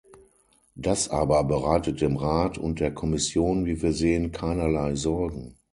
Das aber bereitet dem Rat und der Kommission, wie wir sehen, keinerlei Sorgen.